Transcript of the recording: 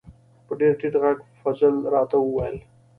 په ډیر ټیټ غږ فضل را ته و ویل: